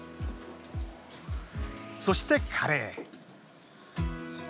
そして、カレー。